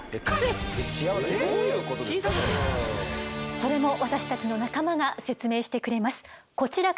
それも私たちの仲間が説明してくれます。